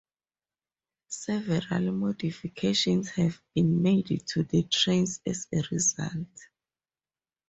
Several modifications have been made to the trains as a result.